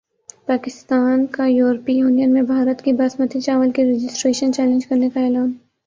پاکستان کا یورپی یونین میں بھارت کی باسمتی چاول کی رجسٹریشن چیلنج کرنیکا اعلان